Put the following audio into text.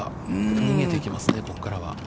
逃げていきますね、ここからは。